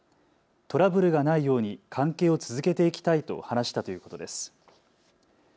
トラブルがないように関係を続けていきたいと話したということです。